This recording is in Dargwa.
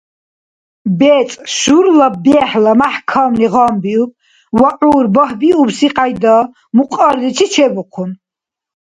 БецӀ шурла бехӀла мяхӀкамли гъамбиуб ва гӀур багьбиубси кьяйда мукьарличи чебухъун.